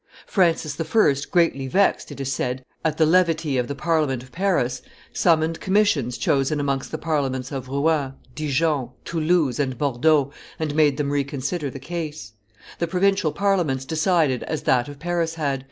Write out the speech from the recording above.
Francis I., greatly vexed, it is said, at the lenity of the Parliament of Paris, summoned commissions chosen amongst the Parliaments of Rouen, Dijon, Toulouse, and Bordeaux, and made them reconsider the case. The provincial Parliaments decided as that of Paris had.